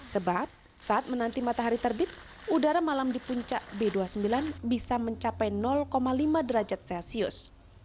sebab saat menanti matahari terbit udara malam di puncak b dua puluh sembilan bisa mencapai lima derajat celcius